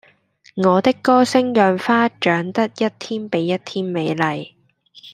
我的歌聲讓花長得一天比一天美麗